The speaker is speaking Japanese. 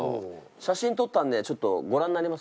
写真撮ったんでちょっとご覧になります？